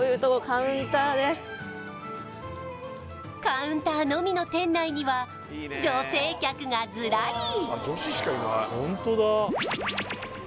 カウンターのみの店内には女性客がズラリ